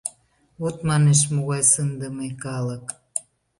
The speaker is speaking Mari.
Вот, манеш, могай сындыме калык!